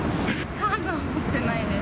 カードは持ってないです。